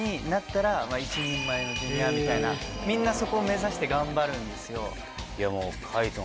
みんなそこを目指して頑張るんですよ。